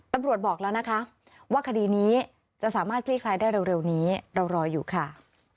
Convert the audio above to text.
บอกแล้วนะคะว่าคดีนี้จะสามารถคลี่คลายได้เร็วนี้เรารออยู่ค่ะ